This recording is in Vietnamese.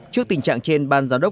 trước tình trạng trên ban giáo đốc